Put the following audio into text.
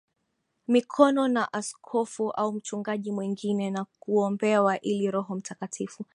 mikono na askofu au mchungaji mwingine na kuombewa ili Roho Mtakatifu